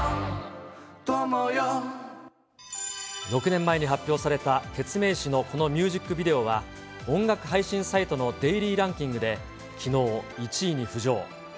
６年前に発表された、ケツメイシのこのミュージックビデオは、音楽配信サイトのデイリーランキングできのう、１位に浮上。